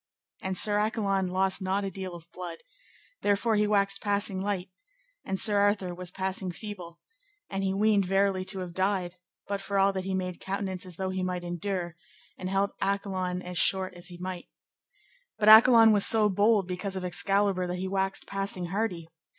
And Sir Accolon lost not a deal of blood, therefore he waxed passing light, and Sir Arthur was passing feeble, and weened verily to have died; but for all that he made countenance as though he might endure, and held Accolon as short as he might. But Accolon was so bold because of Excalibur that he waxed passing hardy.